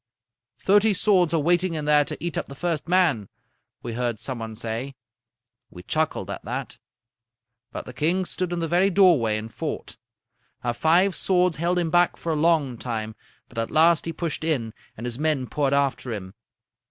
"'Thirty swords are waiting in there to eat up the first man,' we heard some one say. "We chuckled at that. "But the king stood in the very doorway and fought. Our five swords held him back for a long time, but at last he pushed in, and his men poured after him.